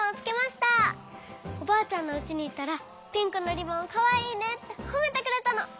おばあちゃんのうちにいったらピンクのリボンかわいいねってほめてくれたの。